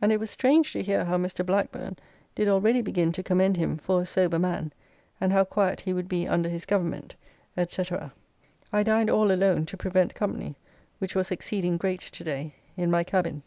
And it was strange to hear how Mr. Blackburne did already begin to commend him for a sober man, and how quiet he would be under his government, &c. I dined all alone to prevent company, which was exceeding great to day, in my cabin.